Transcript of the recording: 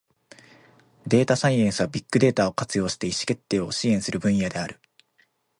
データサイエンスは、ビッグデータを活用して意思決定を支援する分野である。